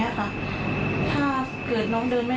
อันดับที่สุดท้าย